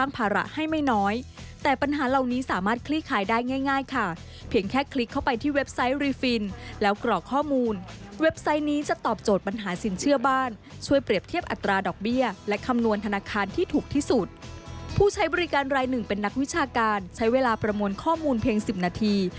ประมวลข้อมูลเพียง๑๐นาที